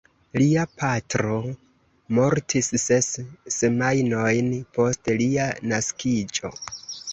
Lia patro mortis ses semajnojn post lia naskiĝo.